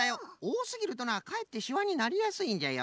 おおすぎるとなかえってしわになりやすいんじゃよ。